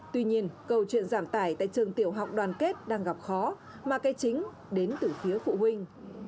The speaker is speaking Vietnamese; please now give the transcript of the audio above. tuy nhiên câu chuyện giảm tải tại trường tiểu học đoàn kết đang gặp khó mà cái chính đến từ phía phụ huynh